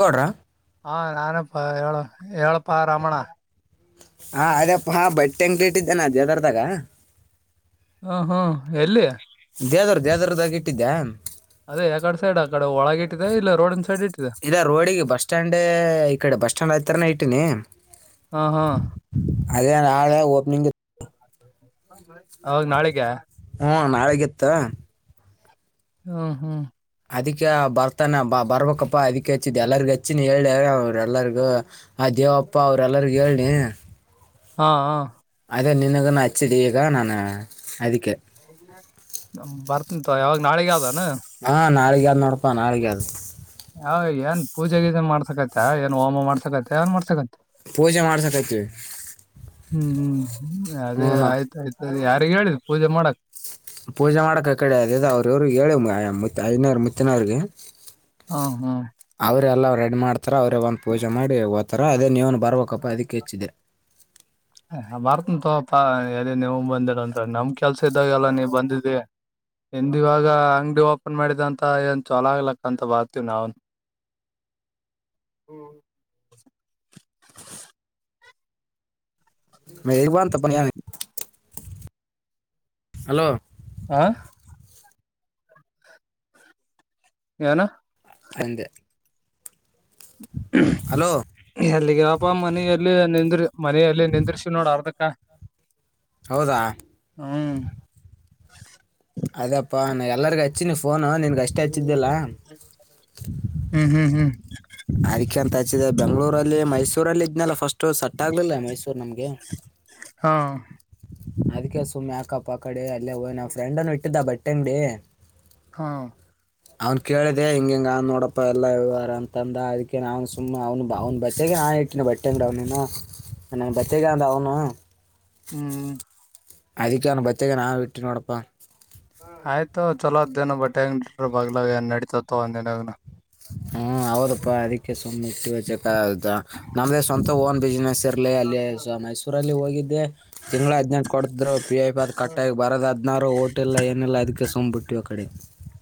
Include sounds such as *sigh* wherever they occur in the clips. ಗೋಡ್ರಾ ಹಾ ನಾನಪ್ಪ ಹೇಳ ಹೇಳಪ್ಪಾ ರಮಣ ಹಾ ಅದಪ್ಪಾ ಹಾ ಬಟ್ ಅಂಗಕ್ ಇಟ್ಟಿದ್ದನೆ ಅಲ್ಲಿ ದೆದರ್ದಾಗ ಹ್ಮ ಹ್ಮ್ ಎಲ್ಲಿ ದೇದರ್ ದದ್ರದಾಗ ಇಟ್ಟಿದ್ದ್ಯಾ ಅದೇ ಯಕಡೆ ಸೈಡ್ ಆ ಕಡೆ ಒಳಗ ಇಟ್ಟಿದೆ ಇಲ್ಲ ರೋಡಿನ ಸೈಡ್ ಇಟ್ಟಿದೆ ಇದ ರೋಡಿಗೆ ಬಸ್ ಸ್ಟಾಂಡ್ ಈ ಕಡೆ ಬಸ್ ಸ್ಟ್ಯಾಂಡ್ ಆಐತರನ ಇಟ್ಟೀಿನಿ ಹಾ ಹಾ ಅೇ ನಾಳೆ ಓಪನಿಂಗ್ ಅವಾಗ ನಾಳೆಗೆ ಹ್ಮ ನಾಲಿಗ ಜಿತ್ತ ಹ್ಮ ಹ್ಮ ಅದಕ್ಕೆ ಬರ್ತಾನ ಬ ಬರ್ಬೇಕಪ್ಪಾ ಅದಿ ಹೆಚ್ಚಿದ್ ಎಲ್ಲರಿಗ ಹಚ್ಚಿನ ಹೇಳ ಅವರು ಎಲ್ಲರಿಗೂ ಆ ದೇವಪ್ಪಾ ಅವ್ರಲ್ಲರಿಗೂ ಹೇಳನಿ ಹಾ ಹ ಅದೇ ನಿಿನಗ ಹಚ್ಚಡಿ ಈಗ ನಾನ ಅದಕ್ಕೆ ಬರ್ತಂತ ಯಾವಾಗ ನಾಳಗಾವ್ದಾನ ಹಾ ನಾಳಗದ ನೋಡಪ ನಾಳಗ ಆದಾ ಹ ಏನ್ ಪೂಜೆ ಗೀಜ ಮಾಡ್ಸಕತ ಏನ್ ಹೋಮ ಮಾಡ್ಸಕೈತ ಏನ್ ಮಾಡಸಕತ ಪೂಜೆ ಮಾಡ್ಸಕತ್ತೀವಿ ಹ್ಮ್ ಹ್ಮ್ ಅದೇ ಹ್ಞೂ ಆಯ್ತ ಆಯ್ತು ಯಾರಿಗ ಹೇಳಿದ್ ಪೂಜೆ ಮಾಡಕ್ ಪೂಜೆ ಮಾಡಕೆ ಅಕಡೆ ಅದೇದೊ ಇವ್ರೀಗೆ ಇವ್ರರು ಹೇಳು ಮುತ್ ಐನೋರ್ ಮುತ್ತಿನವ್ರಿಗೆ. ಹಾ ಹಾ ಅವರೆಲ್ಲ ರೆಡಿ ಮಾಡ್ತಾರೆ ಅವ್ರೇ ಬಂದು ಪೂಜೆ ಮಾಡಿ ಓತರ ಅದೇ ನೀವುನು ಬರ್ಬೇಕಪ್ಪ ಅದಕ್ಕೆ ಹೆಚ್ಚಿದೆ. ಬರ್ತಿನ್ ತೋಪ ಎ ನೀವ ಬಂದಿರಂದ್ರ ನಮ್ ಕೆಲ್ಸ ಇದ್ದಾಗ ಎಲ್ಲಾ ನೀವ್ ಬಂದಿದಿ. ನಿಂದ್ ಇವಾಗ ಅಂಗಡಿ ಓಪನ್ ಮಾಡಿದಂತ ಏನ್ ಚಲೊ ಆಗ್ಲಕ್ಕ ಅಂತ ಬರ್ತವಿ ನಾವುನು. ಮ ಬ ಅಂತಪ್ಪ ಹಲೋ ಆ ಏನ ಅಂದೆ ಹಲೋ ಎಲ್ಲಿಗ್ಯೋಪಾ ಮನೆಯಲ್ಲಿ ನಿಂದ್ರು ಮನೆಯಲ್ಲಿ ನಿಂದ್ರಿಸಿ ನೋಡ ಅರ್ದಕ್ಕ. ಹೌದಾ ಹ್ಮ ಅದೇಪ್ಪಾ ನಾ ಎಲ್ಲರಿಗೂ ಹಚ್ಚಿ ನೀ ಫೋನು ನಿನ್ಗೆ ಅಚ್ಚ್ ಹ್ಮ್ ಹ್ಮ್ ಹ್ಮ್ ಅದ್ಕೆ ಅಂತ ಹಚ್ಚಿದೆ ಬೆಂಗಳೂರಲ್ಲಿ ಮೈಸೂರಲ್ಲಿ ಇದ್ನಲ್ಲ ಫಸ್ಟು ಸಟ್ ಆಗ್ಲಿಲ್ಲ ಮೈಸೂರ್ ನಮ್ಗೆ. ಹಾಂ ಅದಕ್ಕೆ ಸುಮ್ಮ್ನೆ ಯಾಕಪ್ಪ ಅಕಡೆ ಅಲ್ಲೇ ಹೋನ್ ನನ್ ಫ್ರೆಂಡನ್ನು ಇಟ್ಟಿದ್ದ ಬಟ್ಟೆ ಅಂಗಡಿ. ಹಾಂ ಅವ್ನು ಕೇಳಿದೆ ಹಿಂಗಿಂಗ ನೋಡಪ್ಪ ಎಲ್ಲ ವ್ಯವಹಾರ ಅಂತಂದ ಅದಕ್ಕೆ ನ ಅವನು ಸುಮ್ಮ್ ಅವನು ಅವ್ನ ಬಟ್ಟೆಗೆ ನಾನ್ *unintelligible* ಬತ್ತೀನಿ ಅಂದ ಅವನು. ಹ್ಮ್ ಅದಕ್ಕೆ ಅವ್ನು ಬತ್ತಗ ನಾವು ಇಟ್ಟೀವಿ ನೋಡಪ್ಪ. ಆಯ್ತು ಚಲೋ ಅದ್ದೇನೋ ಬಟ್ಟೆ ಅಂಗಡಿ ಇಟ್ರೇ ಬಗ್ಲಾಗೆ ಏನ್ ನಡಿತತ್ ತಗೋ ಒಂದೇನಾಗನ. ಹ್ಮ ಹೌದಪ್ಪಾ ಅದಕ್ಕೆ ಸುಮ್ನ್ ಇಟ್ಟೀವಿ ಚಕ ನಾವೇ ಸ್ವಂತ ಓನ್ ಬಿಸ್ನೆಸ್. *unintelligible* ಲೇ ಅಲ್ಲೆ ಮೈಸೂರಲ್ಲಿ ಹೋಗಿದ್ದೆ. ತಿಂಳ ಹದನೆಂಟು ಕೊಡ್ತಿದ್ರು ಪಿ ಐಫ್ ಎಲ್ಲಾ ಕಟ್ಟ್ ಆಗಿ ಬರದೇ ಹದ್ನಾರು ಊಟ ಇಲ್ಲ ಏನೆಲ್ಲ ಅದಕ್ಕೆ ಸುಂಮ್ ಬಿಟ್ಟವಿ ಆ ಕಡೆ.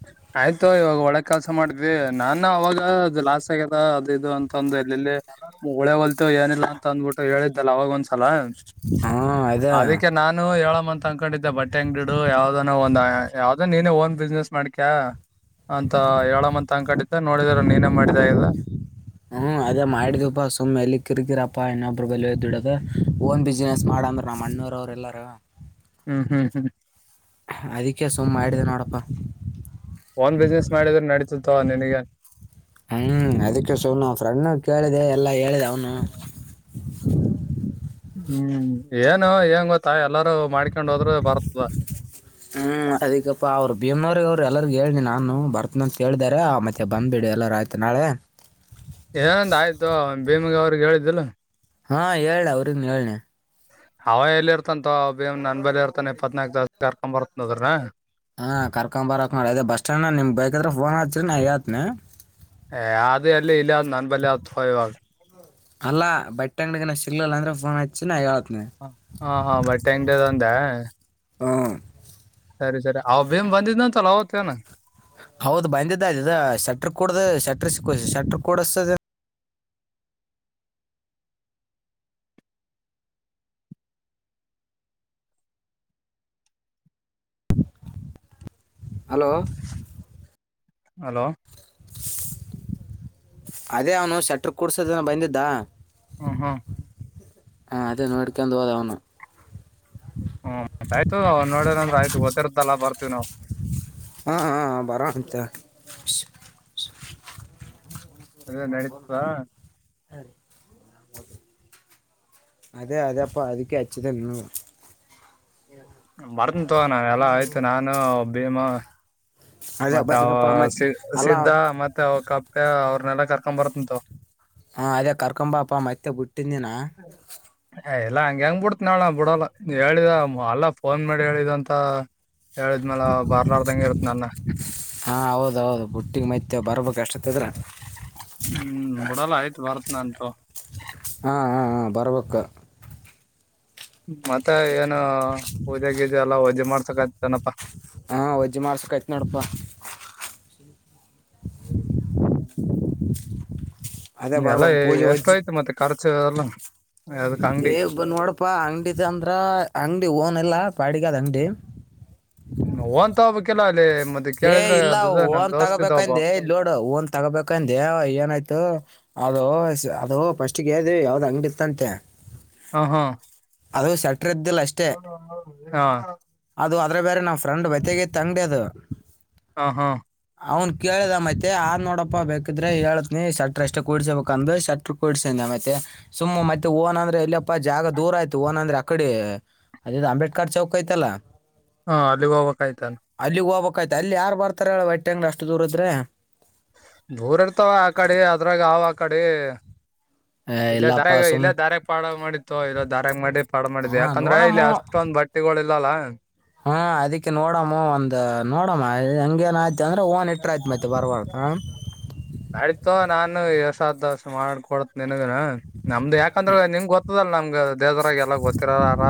ಹ ಆಯ್ತು ಇವಾಗ ಒಳ್ಳೆ ಕೆಲ್ಸ ಮಾಡಿದ್ವಿ ನಾನು ಅವಾಗ ಅದು ಲಾಸ್ ಆಗ್ಯದ ಅದು ಇದು ಅಂತ ಅಂದು ಎಲ್ಲೆಲ್ಲಿ. ಉಳೆ ಹೊಲ್ತು ಏನಿಲ್ಲ ಅಂತ ಅಂದಬಿಟ್ಟು ಹೇಳಿದ್ದಲ್ಲ ಅವವಾಗ ಒಂದ್ಸಲ. ಹಾಂ ಅದೇ ಅದಕ್ಕೆ ನಾನು ಹೇಳಮ್ಮಂತ್ ತಕೊಂಡಿದ್ದೆ ಬಟ್ಟೆ ಅಂಗ್ಡಿ ಇಡು ಯಾವ್ದಾನ ಒಂದು ಯಾವ್ದೋ ನೀನೇ ಓನ್ ಬಿಸ್ನೆಸ್. ಮಾಡ್ಕ್ ಅಂತ ಏಳ ಮಂತ ಅನಕಂಡಿದ್ದೇ ನೋಡಿದ್ರೇ ನೀನೇ ಮಾಡಿದೆ ಆಗದ. ಹ್ಮ್ ಅದೇ ಮಾಡಿದ್ವಪಾ ಸುಮ್ಮ್ ಎಲ್ಲಿ ಕಿರಿಕಿರಿ ಯಪ್ಪಾ ಇನ್ನೊಬ್ರ ಬಲಿ ಹೋಗ್ ದುಡಿಯೋದು ಓನ್ ಬಿಸಿನೆಸ್ ಮಾಡಂದ್ರ ನಮ್ ಅಣ್ಣೊರು ಅವರೆಲ್ಲರು ಹ್ಮ್ ಹ್ಮ್ ಹ್ಮ್ ಅದಕ್ಕೆ ಸುಮ್ಮ ಮಾಡಿದೆ ನೋಡಪ್ಪ. ಓನ್ ಬಿಸ್ನೆಸ್ ಮಾಡಿದ್ರೆ ನಡತಿತ್ತು ತಗೋ ನಿನಗೆನೆ. ಹ್ಮ್ ಅದಕ್ಕೆ ಸುಮ್ನೆ ನಮ್ ಫ್ರೆಂಡ್ನು ಕೇಳಿದೆ ಎಲ್ಲಾ ಹೇಳಿದ ಅವನು. ಹ್ಮ್ ಏನು ಎನ್ ಗೊತ್ತಾ ಎಲ್ಲಾರೂ ಮಾಡ್ಕೊಂಡ್ ಹೋದ್ರೇ ಬರ್ತದ. ಹ್ಮ್ ಅದಕ್ಕಪ್ಪಾ ಅವ್ರು ಭೀಮರು ಇವ್ರು ಎಲ್ಲರಿಗ ಹೇಳನಿ ನಾನು ಬರ್ತನ ಅಂತೇಳ್ದಾರೆ ಆ ಮತ್ತೆ ಬಂದ್ ಬಿಡಿ ಎಲ್ಲಾರ ಆಯ್ತ. ನಾಳೆ ಏನೂ ಒಂದು ಆಯ್ತಿ ಬೀಮ ಅವ್ರಿಗೆ ಹೇಳಿದ್ದಿಲ್ಲ. ಹಾ ಹೇಳ ಅವ್ರ ಹೇಳ್ ನ ಅವ ಎಲ್ಲಿ ಇರ್ತಂತ್ ನನ್ ಬಲಿ ಇರ್ತಾನ ಇಪ್ಪತ್ನಾಲ್ಕು ತಾಸ್ ಕರ್ಕೊ್ ಬರ್ತನ ಅದರ ಹಾ ಕರ್ಕಂಬರ ಬಾ ರಪ್ಪ ಇದು ಬಸ್ ಸ್ಟಂಡ್ ನ ನಿಮ ಬೇಕಿದ್ರೆ ಫೋನ್ ಹಚ ನಾ ಹೇಳ್ತನಿ ಅದದು ಅಲ್ಲ ಇಲ್ಲ ನನ್ ಬಲೆ ಅತ್ಯವಾಗ ಅಲ್ಲ ಬಟ್ಟೆ ಅಂಗಡಿಗೆ ಸಿಗ್ಲಿಲ್ಲ ಅಂದೆ ಫೋನ್ ಹಚ್ಚಿ ನಾ ಹೇಳ್ತೀನನೆ ಹಾ ಹಾ ಬಟ್ಟೆ ಅಂಗಡಿ ಅಂದ ಹಾ ಸರಿ ಸರಿ ಅವ ಬೀಮ್ ಬಂದಿದ್ ಅಂತಲ್ಲ ಅವತ್ತೇನ ಹೌದು ಬಂದಿದ್ದ ಅ ಶಟರ್ ಕೂಡದ ಶಟರ್ ಸಿ ಶಟರ್ ಕೊಡಸ ಹಲೋ ಹಲೋ ಅದೇ ಅವನು ಶೆಟರ್ ಕುಡ್ಸೋದನ್ನು ಬಂದಿದ್ದ ಹ್ಮ ಹ್ಮ ಹ ಅದೇನ್ನು ಹಿಡಕೊಂಡು ಹೋದ ಅವನು ಹೂ ಆಯ್ತ ನೋಡದಂದ್ರೆ ಆಯ್ ಗೊತ್ತಿರದಲ್ಲ ಬರ್ತೀವಿ ನಾವು ಹಾಂ ಹಾ ಬರೋ ಅಂತ. ಅಧೆ ನಡೀತದಾ ಅದೇ ಅದೇ ಅಪ್ಪ ಅದಕ್ಕೆ ಅಚ್ಚುದನೆ ಇವ್ನು ಬರ್ತನ್ ತಗ ನ ಎಲ್ಲಾ ಆಯ್ತು ನಾನು ಭೀಮ ಅದೇ ಮತ್ತೆ ಅವ ಬರ್ರಪ್ಪ ಮತ್ತೆ ಅಲ್ಲ ಸಿದ್ದ ಮತ್ತೆ ಅವ ಕಪ್ಪೆ ಅವ್ರನೆೆಲ್ಲ ಕರ್ಕೊಂಡ್ ಬರ್ತ್ನೀ ತೋ ಹಾ ಅದೇ ಕರ್ಕೊಂಬಪ್ಪ ಮತ್ತೆ ಬಿಟ್ಟಿನೀನು ಆ ರಿ *inaudible* ಏ ಎಲ್ಲಾ ಹಂಗಗೆ ಹೆಂಗ್ ಬಿಡ್ತ ನ ಬಿಡಲ್ಲ ಹೇಳಿದ ಅಲ್ಲ ಫೋನ್ ಮಾಡಿ ಹೇಳಿದ ಅಂತ ಹೇಳಿದ್ಮೇಲೆ ಬರದಂಗೆ ಇರ್ತೀನಿ ನನ್ನ ಹಾ ಹೌದೌದು ಬುಟ್ಟಿಗೆ ಮೈತ ಬರ್ಬೇಕ ಅಷ್ಟತ್ತದ್ರ ಹ್ಮ್ ನೋಡಲ್ಲ ಆಯ್ತು ಬರತಅಂತ ತೊ. ಹಾ ಹಾ ಹಾ ಬರಬೇಕು. ಮತ್ತೆ ಏನು ಪೂಜೆ ಗೀಜೆ ಎಲ್ಲಾ ವಜೆ ಮಾಡ್ಸಕತನಪ್ಪಾ ಹಾ ವಜ್ಜ ಮಾಡ್ಸ್ಕಾಯತ್ ನೋಡಪ್ಪಾ. ಅದೇ ಎಲ್ಲ ಬರ್ಬೇಕು ಪೂಜೆ ಎಷ್ಟ ಒಜ್ಜಿ ಆಯ್ತು ಮತ್ತೆ ಖರ್ಚು ಎಲ್ಲ ಅದಕ್ ಅಂಗಡಿ ಏ ಬ ನೋಡಪ್ಪಾ ಅಂಗಡಿ ಅಂದ್ರ ಅಂಗಡಿ ಓನ್ ಎಲ್ಲಾ ಬಾಡಿಗೆದ ಅಂಗಡಿ. ನೋ ಅಂತ ಹಬ್ಬಕ್ಕೆಲ್ಲ ಅಲ್ಲಿ ಮತ್ತೆ ಕೇಳಿದ್ರೆ ಅದು ನಮ್ ದೋಸ್ತ ಇದ ಒಬ್ಬ ನೋಡು ಹ ಓನ್ ತಗೋಬೇಕಂದೆ ಏನಾಯ್ತು ಅದ ಅದ ಪಫಸ್ಟಗೆ ಹೇಳ್ದ ಯಾವ್ದ್ ಅಂಗಡಿ ಇತ್ತಂತೆ ಹಾ ಹಾ ಅದು ಸೆಟ್ರದ್ದಿಲ್ಲ ಅಷ್ಟು ಹಾ ಅದು ಅ್ರ ಬೇರೆ ನಾವ್ ಫ್ರೆಂಡ್ ಬತೆಗ ತಂಗಡಿ ಅದು ಹಾ ಹಾ ಅವನ್ ಕೇಳಿದ ಮತ್ತೆ ಆ ನೋಡಪ್ಪ ಬೇಕಿದ್ರೆ ಹೇಳತ್ನಿ ಶತೃ ಎಷ್ಟೇ ಕೂಡ್ಸಬೇಕಕ್ ಅಂದ ಶತೃ ಕುಡ್ಸ ಮತ್ತೆ ಸುಮ್ಮ್ ಮತ್ತೆ ಓನ್ಂದ್ರೆ ಇಲ್ಲಿಪ್ಪಾ ಜಾಗ ದೂರ ಆಯ್ತು ಓನ್ ಅಂದ್ರೆ ಅಡೆ ಅದ ಅಂಬೇಡ್ಕರ್ ಚೌಕ್ ಯ್ತಲ್ಲಾ ಹಾ ಅಲ್ಲಿಗೆೋಗ್ಕ್ ಆಯ್ತಾನ ಅಲ್ಲಿಗ್ ಹೋಗ್ಬೇಕಯ್ತ ಅಲ್ಲಿ ಯಾರ ಬರ್ತಾರ ಹೇಳು ವೈಟಿಂಗ್ ಅಷ್ಟು ದೂರ ಇದ್ರೆ. ಬೂರ್ ಇರ್ತಾವ ಆ ಕಡೆ ಅದ್ರಾಗ ಅವ ಆ ಕಡೆ ಏ ಇಲ್ಲೇ ದಾರ ಇಲ್ಲಪ್ಪಾ ಸುಮ್ ಇಲ್ಲೇ ದಾರ ಪಾಡ ಮಾಡಿತ್ತು ಇಲ್ಲ ದಾರ ಮಾಡಿ ಪಾಡ ಮಾಡಿದ್ ಹಾ ಯಾಕಂದ್ರೆ ಇಲ್ಲಿ ನೋಡಮ್ಮ ಅಷ್ಟೊಂದ ಬಟ್ ತಿಗೋಳ ಈಲ್ಲಲ್ಲಾ ಹಾ ಅದಿಕ್ಕೆ ನೋಡಮ್ಮ ಒಂದ್ ನೋಡಮ್ಮ ಹಂಗೇನ್ ಆಯ್ತ. ತಾರಾ ಓನ್ ಎಟ್ರ ಐತ ಮತ್ತೆ ಬರವರ ಹಾ ನಯತೋ ನಾನು ಏಸ್ಟು ಆಗುತೋ ಅಷ್ಟು ಮಾಡಕೊಡ್ ನೆನಾಗ ನಮ್ದು ಯಾಕಂದ್ರೆ ನಿಮ್ ಗೊತ್ತದಲ್ಲ ನಮ್ಗೆ ದೇವದ್ರಾಗ ಎಲ್ಲ ಗೊತ್ತಿರಾರ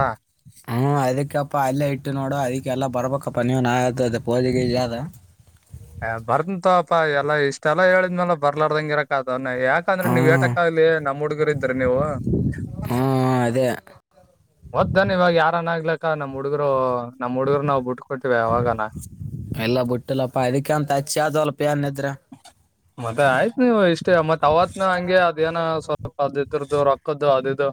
ಹ ಅದಕ್ಕಪ್ಪ ಅಲ್ಲೇ ಇಟ್ಟು ನೋಡು ಅದಕ್ಕೆಲ್ಲ ಬರ್ಬೇಕಪ್ಪ ನೀವುಾದು ಅದು ಪೋಜಿಗೆ ಇಲ್ಲ ಅದು ಬರ್ತಂತಪ್ಪಾ ಎ ಇಷ್ಟ ಎಲ್ಲ ಹೇಳಿದ್ಮೇಲೆ ಬರ್ಲಾರ್ದಂಗಿರಕ್ ಅದನ್ನ ಯಾಕಂದ್ರೆ ಹ್ಞೂ ನೀವ ಏಟಕ್ ಅಲ್ಲಿ ನಮ್ಮ್ ಹುಡ್ಗರು ಇದ್ರ ನೀವು ಹ್ಮ ಅದೇ ಒದ್ದನ್ ಇವಾಗ ಯಾರನ ಆಗ್ಲಕ್ಕ ನಮ್ಮ್ ಹುಡುಗರು ನಮಮ್ಮ ಹುಡುಗರು ನಾವವು ಬಿಟ್ಕೊತೀವಿ ಅವಾಗಾನ ಎಲ್ಲ ಬಿುಟ್ಟಿಲ್ಲಪ್ಪ ಅದಕ್ಕೆ ಅಂತ ಅಚ್ಚಿ ಆದವಲ್ಲಪ ಏನದ್ರ ಹ ಮತ್ತೆ ಆಯ್ತ್ ನೀವು ಇಷ್ಟೇ ಮತ್ ಅವತ್ ನ ಹಂಗೆ ಅದ ಏನ ಸ್ವಲ್ಪ ಅದುರದದು ರೊಕ್ಕದ್ದು ಅದಿದ್ದು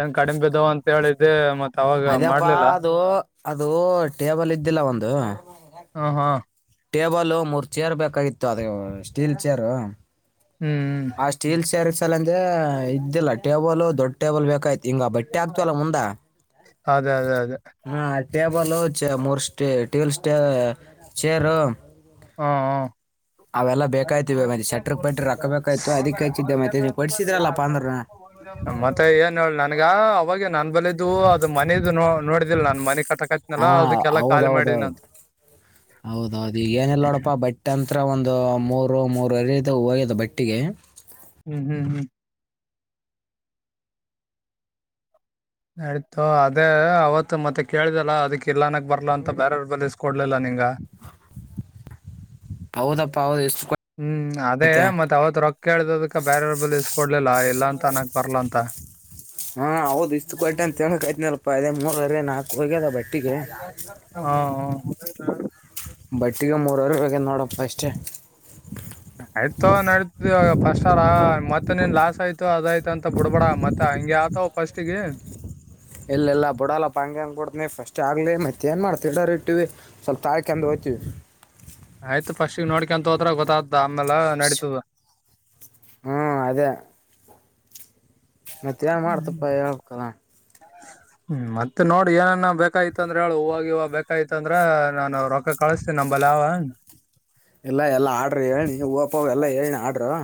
ಏನ್ ಕಡಿಂಬೆ ಅದುಾವ ಅಂತ ಹೇಳಿದ್ದೆ ಮತ್ತೆ ಅದ್ಯಪ್ಪಾ ಅದು ಅದು ಟೇಬಲ್ ಇದ್ದಿಲ್ಲ ಒಂದು ಹಾ ಹಾ ಟೇಬಲ್ ಮೂರ್ ಚೇರ್ ಬೇಕಾಗಿತ್ತು ಅದು ಸ್ಟೀಲ್ ಚೇರ್ ಹ್ಮ್ ಸ್ಟೀಲ್ ಸೇರ್ಸಲ್ಲ ಅಂದ್ರೆ ಇದ್ದಿಲ್ಲ ಟೇಬಲ್ ದೊಡ್ಡ ಟೇಬಲ್ ಬೇಕಾಯ್ತು ಹಿಂಗ ಬಟ್ಟೆ ಆಗ್ತವಲ್ಲ ಮುಂದ ಅದೇ ಅದೇ ಅದೇ ಹ್ಮ ಟೇಬಲ್ ಚ ಮೂರ್ ಟೇಬಲ್ ಸ್ಟ ಚೇರು ಹಾ ಹ ಅವೆಲ್ಲ ಬೇಕಾಯ್ತಿವಿ ಮತ್ತೆ ಶಟ್ರರ್ ಪ ಬಿಟ್ಟ್ರ ರೊಕ್ಕ ಬೇಕಾಯ್ತತ್ತು ಅದಕ್ ಹೆಚ್ಚಿದ್ದೆ ಮತ್ತೆ ನೀ ಪಡ್ಸಿದ್ರಲ್ಲಪ್ಪಾ ಅಂದ್ರ ಮತ್ತೆ ಏನ್ ಹೇಳ ನನ್ಗ ಅವಾಗ ನನ್ ಬಲಿದದು ಅದ ಮನದು ನೋ ನೋಡಿದಿಲ್ಲ ನಾನ್ ಮನೆ ಹಾ ಕಟ್ಟಕತ್ನಲ್ಲ ಅದಕ್ಕೆಲ್ಲ ಖಾಲಿ ಮಾಡಿದಿನನ ಹೌದೌದೌದು ಅಂತ ಹೌದೌದು ಈಗಏನಿಲ್ಲ ನೋಡಪ್ಪ ಬಟ್ಟೆ ಅಂತತ್ರ ಒಂದು ಮೂರು ಮೂರ ಎರದು ಹೋಗದು ಬಟ್ಟಿಗೆ ಹ್ಮ್ ಹ್ಮ್ ಹ್ಮ್ ನಯತು ಅದೇ ಅವತ್ತು ಮತ್ತೆ ಕೇಳಿದೆಲ್ಲ ಅದಕ್ ಇಲ್ಲನಕ್ ಬರ್ಲ ಅಂತ ಬೇರವ ಬಲಿಸಕ ಕೊಡ್ಲಿಲ್ಲ ನಿಂಗ ಪೌದ ಪಾವದ ಎಷ್ಟು ಹ್ಮ್ ಅದೇ ಮತ್ತತ್ ಅವತ್ ರೊಕ್ಕ ಕೇಳ್ದದಕ ಬೇರವ್ರ ಬಲ್ಲಿ ಇಸ್ಕೊಡ್ಲಿಲ್ಲ ಇಲ್ಲಾ ಅಂತ ಅನ್ನಕ್ ಬರ್ಲಾ ಅಂತ ಹಾ ಹೌದು ಇಷ್ಟು ಗಟ್ಟ ಅಂತ ಹೇಳಕಾಯತನ ಅಲ್ಪ್ಪ ಅದೇ ಮೂರಲ್ಲ ನಾಕು ಹೋಗ್ಯದ ಬಟ್ಟ ಹ ಬಟ್ಟಿಗೆ ಮೂರವರು ಬೇಕ ನೋಡ ಅಷ್ಟೇ ಆಯ್ತೋ ನಡತ ಪಫಸ್ಟ್ರ ಮತ್ತ ನೀನ್ ಲಾಸ್ ಆಯ್ತು ಅದಾಯ್ತು ಅಂತ ಬಿಡ್ಬೇಡ ಮತ್ತ ಹಂಗಗೆ ಆತ ಫಸ್ಟ್ಗೆ ಎಲ್ಲೆಲ್ಲ ಬ ಬಿಡಲ್ಲಪ್ಪ ಹಂಗೆ ಹಂಗೆ ಬಿಡ್ನಿ ಫಸ್ಟ್ ಆಗಲಿ ಮತ್ತ ಏನು ಮಾಡ್ತಿರಿ ಇಟ್ಟೀವಿ ಸ್ವಲ್ಪ ತಾಳ್ಕಂದು ಹಯ್ತೀವಿ ಆಯ್ತು ಪಫಸ್ಟ್ಗ ನೋಡ್ಕ ಅಂತ ಹೋತ್ರ ಗೊತ್ತಾದ್ ಆಮೇಲೆ ನಡಿತತದು ಹ್ಮ್ ಅದೇ ಮತ್ತೆ ಏನ್ ಮಾಡ್ತಪ್ಪ ಹೇಳ್ಲ್ಲಾ *inaudible* ಹ್ಮ್ ಮತ್ತೆ ನೋಡಿ ಏನನ ಬೇಕಾಯ ಅಂದ್ರ ಹೇಳ ಹೂವಾಗ ಇವಾಗ ಬೇಕಾಯತ ಅಂದ್ರ ನಾನು ರೊಕ್ಕ ಕಳಸ ನಂಬಲಾವ ಎಲ್ಲಾ ಎಲ್ಲಾ ಆರ್ಡರು ಹೇಳನಿ ಓಪೋ ಎಲ್ಲ ಹೇಳನಿ ಆರ್ಡರು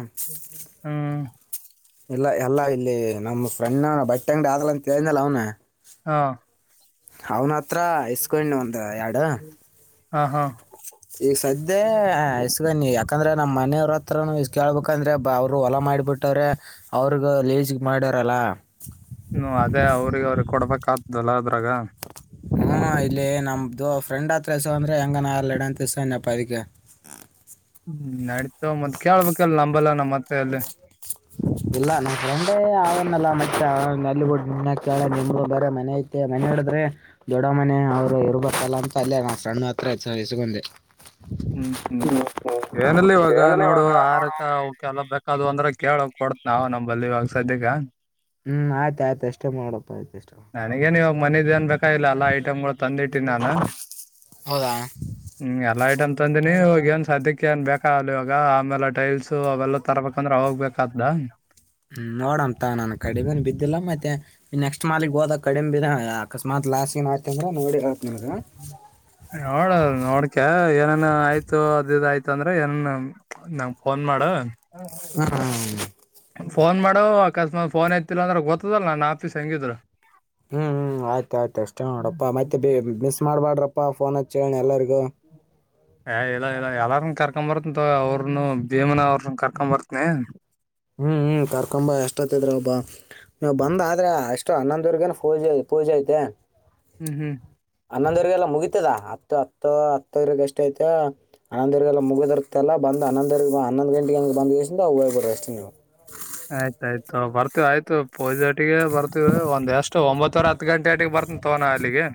ಹ್ಮ ಇಲ್ಲ ಎಲ್ಲ ಇಲ್ಲಿ ನಮ್ಮ ಫ್ರೆಂಡ್ ಬಟ್ಟೆ ಅಂಗಡಿ ಆದಗಲ್ಲ ಅಂತ ಹೇಳನಲ್ಲ ಅವ್ನು ಹಾ ಅವನ ಹತ್ರ ಇಸ್ಕೊಂಡಿ ಒಂದಂದು ಎರಡು ಹಾ ಹಾ ಈಗ ಸದ್ಯ ಇಷ್ಟಗ ನೀ ಯಾಕಂದ್ರೆ ನಮ್ಮ್ ಮನೆಯವ್ರತ್ರನು ಇಷ್ಟ ಕೇಳ್ಬಬೇಕಂದ್ರೆ ಅವರು ಹೊಲಾ ಮಾಡಿಬಿಟ್ಟು ಇಟ್ಟರೆ ಅವ್ರಗ ಲೇಸ್ಗೆ ಮಾಡ್ಯಾರಲ್ಲ ಹ ಅದೇ ಅವ್ರಿಗೆ ಅವ್ರಿಗೆ ಕೊಡ್ಬೇಕ ಆ್ತದಲ್ಲ ಅದ್ರಾಗ ಹ್ಮ್ ಇಲ್ಲಿ ನಮ್ದು ಫ್ರೆಂಡ್ ಹತ್ರ ಎಸವ ಅಂದ್ರೆ ಹೆಂಗನಲಡ ಅಂತಸತ ನ್ಯಪ್ಪಾ ಇದಗ ಹ್ಮ್ ನಡತವ ಮ್ ಕೇಳ್ಬೇಕಲ್ ನಂಬಲ್ಲ ನಮ್ಮಲ್ಲಿ *inaudible* ಇಲ್ಲ ನಮ್ಮ ಫ್ರೆಂಡೇ ಅವನ್ನಲ್ಲ ಮತ್ತೆ ಅಲ್ಲಿಬುಟ್ಟ ನಿನ್ನ ಕೇಳ ನಿಮು ಬರ ಮನೆ ಐತೆ ಮನೆ ಹಡಿದ್ರೆ ದೊಡ್ಡ ಮನೆ ಅವ ಇರ್ ಬಲ್ಲ ಅಂತ ಅಲ್ಲೇ ನ ಫ್ರಂಡ್ ಮಾತ್ರಸಗೊಂಡೆ ಹ್ಮ್ ಹ್ಮ್ ಏನಲ್ಲ ಇವಾಗ ಏನಿಲ್ಲ ನೋಡು ಇವಾಗ ನೋಡು ಆರಕ ಕೆಲವ ಬೇಕಾದದು ಅಂದ್ರೆ ಕೇಳ ಕೊಡತ್ ನಾವವು ನಂಬಲ್ಲಿ ಇವಾಗ ಸಧ್ಯ್ ಹ್ಮ್ ಆಯ್ತ ಆಯ್ತು ಅಷ್ಟೇ ಮಾಡಪ್ಪಾ ಆಯ್ತ ಅಷ್ಟೇ ನನಗ ನೀವಾಗ ಮನದ ಏನ್ ಬೇಕಾಗಿಲ್ಲ ಎಲ್ಲಾ ಐಟ್ಗಳು ತಂದಿಟ್ಟಿನಿ ನಾನು ಹೌದಾ ಹ್ಮ್ ಎಲ್ಲ ಐಟಮ್ ತಂದಿನಿ ಇ ಏನ್ ಸಧ್ಯಕ್ಕೆ ಏನ್ ಬೇಕಾಗಲಿ ಇವಾಗ ಆಮೇಲೆ ಟೈಲ್ಸ್ ಅವೆಲ್ಲ ತರಬೇಕಂದ್ರೆ ಹೋಗ್ಬೇಕಾದ್ದ ಹ್ಮ್ ನೋಡಂತ ನಾನ ಕಡೆಗನು ಬಿದ್ದಿಲ್ಲ ಮತ್ತೆ ಈ ನೆಕ್ಸ್ಟ್ ಮಾಲಿಕ್ಗ್ ಹೋದಾಗ ಕಡಿಮೆಿರಾ ಅಕಸ್ಮತ್ ಲಾಸ್ ಏನ್ಯತ ಅಂದ್ರ ನೋಡಿತ್ ನಿಮಗ ಹ್ಮ್ ನೋಡ ನೋಡ್ಕ ಏನನ್ ಆಯ್ತು ಅದದು ಆಯ್ತು ಅಂದ್ರೆ ಏನನ್ ನಂಗ ಫೋನ್ ಮಾಡ ಹ್ಮ ಹ್ಮ್ ಹ್ಮ್ ಹ್ಮ ಫೋನ್ ಮಾಡೋ ಅಕಸ್ಮಾತ್ ಫೋ ಯತಿವ ಅಂದ್ರೆ ಗೊತ್ತದಲ್ಲ ನನ್ನ ಆಫೀಸ್ ಹೆಂಗಿದ್ರು ಹ್ಮ್ ಹ್ಮ್ ಆಯ್ತ ಆಯ್ತು ಅಷ್ಟೇ ನೋಡಪ್ಪಾ ಮತ್ತೆ ಮಿಸ್ ಮಾಡ್ಬಾಡ್ರಪ್ಪಾ ಫೋನ್ ಹಚ್ಚೇಳಿ ಎಲ್ಲರಿಗೂ ಏ ಇಲ್ಲ ಇಲ್ಲ ಎಲ್ಲಾರನ್ ಕರ್ಕೊಂಬರ್ಂತ ಅವ್ರನು ಭೀಮನ ಅವ್ರನ್ ಕರ್ಕೊ ಬರ್ತನಿ ಹ್ಮ್ ಹ್ಮ್ ಕರ್ಕೊಂಬ ಎಷ್ಟತ್ತದ್ರ ಒಬ್ಬಾ ನೀವು ಬಂದಾದ್ರೆ ಅಷ್ಟು ಹನ್ನೊಂದಊರ್ಗ ಪೂಜೆ ಪೂಜೆ ಐತೆ ಹ್ಮ್ ಹ್ಮ್ ಹನ್ನೊಂದವ್ರಿಗೆಲ್ಲ ಮುಗೀತದ ಹತ್ತು ಹತ್ತು ಹತ್ತವ್ರಿಗೆ ಎಷ್ಟ ಐತ ಹನ್ನಂದ್ವರಿಗೆಲ್ಲ ಮುಗಿದದರ್ತಲ್ಲ ಬಂದ ಹನ್ನಂದವ ಹನ್ನೊಂದು ಗಂಟೆಗೆ ಬಂದವು ಹೋಗ್ಬ್ರ ಅಷ್ಟೇ ನೀವು *inaudible* ಆಯ್ತ್ ಆಯ್ತ್ ತಗೋಪ ಬರ್ತೀವಿ ಆಯ್ತು ಪೂಜೊತಿಗೆ ಬರ್ತೀವಿ. ಹತ್ತು ಗಂಟೆಟಿಗೆ ಬರ್ತನ ತಗೋ ಅಲ್ಲಿಗೆ.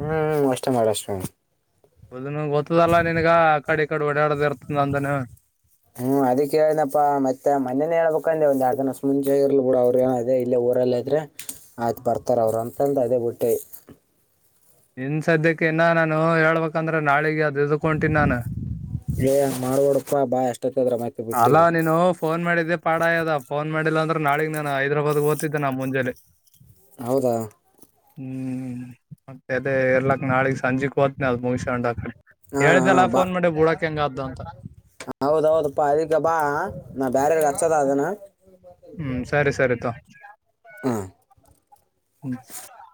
ಹ್ಮ್ ಅಷ್ಟ ಮಾರಷ್ಟ. ಹದ್ ಗೊತ್ತದಲ್ಲಾ ನನ್ಗ ಆ ಕಡೆ ಈ ಕಡೆ ಓಡಾಡದ ಇರ್ತದ ನಂದುನು. ಹ್ಮ್ ಅದಿಕ್ಕೆೇಳನಪ್ಪ ಮತ್ತೆ ಮನೇ ಹೇಳ್ಬೇಕಂದೆ ಒಂದ ಎರ್ಡ್ ದ ಅಸ ಮುಂಚೆ ಇರ್ ಬಿಡ ಅವ್ರ ಏನದೆ ಇ ಊರಲ್ಲೆ. ಆದರೆ ಆಯ್ತು ಬರ್ತಾರೆ ಅವರು ಅಂತಂದು ಅದೇ ಬಿಟ್ಟೆ. ಇನ್ ಸದ್ಯಕ್ಕೆ ಇನ್ನ ನಾನು ಹೇಳ್ಬೇಕಂದ್ರೆ ನಾಳಿಗೆ ಅದು ಇದಕೊಂತಿ ನಾನು. ಏಂಗ ಮಾಡ್ಬೋಡಪ್ಪಾ ಬಾ ಎಷ್ಟತ್ತದ್ರ ಮತ್. ಅಲ್ಲಾ ನೀನು ಫೋನ್ ಮಾಡಿದ್ದೆ. ಪಾ ಅದ ಪವನ್ ಮಾಡಿಲ್ಲ ಅಂದ್ರ ನಾಳಿಗೆ ಹೈದರಾಬಾದ್ ಹೋಗ್ತಿದ್ದೆ ನಾ ಮುಂಜೇಲಿ. ಹೌದಾ ಹ್ಮ್ ಮತ್ತೆ ಅದೇ ಇರ್ಲಾಕ್ ನಾಳಗ್ ಸಂಜೆಕ್ ಹೋನಿ ಅದ್ ಮುಗಿಸಕೊಂಡಾಕೊಂಡ. ಹಾಂ ಹೇಳ್ದಲ್ಲ ಹಾಂ ಫೋನ್ ಮಾಡಿ ಬೂಡಕ್ ಹೆಂಗಾದ್ದು ಅಂತ. ಹೌದೌದಪ್ಪಾ ಅದಕ್ಕೆ ಬಾ ನಾ ಬ್ಯಾರರ್ಗೆ ಅಚ್ಚನ ಅದನ. ಹ್ಮ್ ಸರಿ ಸರಿ ತ. ಹ್ಮ್ ಹ್ಮ್